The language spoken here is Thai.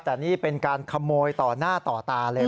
แต่นี่เป็นการขโมยต่อหน้าต่อตาเลย